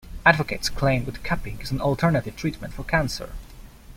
Advocates claim that cupping is an alternative treatment for cancer.